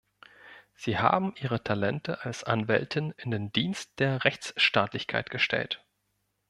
Sie haben Ihre Talente als Anwältin in den Dienst der Rechtsstaatlichkeit gestellt.